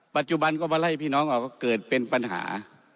ปัจจุบันก็มาไล่พี่น้องออกว่าเกิดเป็นปัญหา